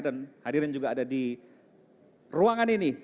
dan hadirin juga ada di ruangan ini